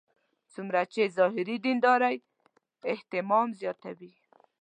څومره چې ظاهري دیندارۍ اهتمام زیاتوي.